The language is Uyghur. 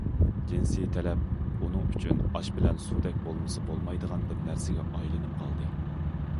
جىنسىي تەلەپ ئۇنىڭ ئۈچۈن ئاش بىلەن سۇدەك بولمىسا بولمايدىغان بىر نەرسىگە ئايلىنىپ قالدى.